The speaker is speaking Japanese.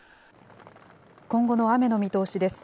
今後の雨の見通しです。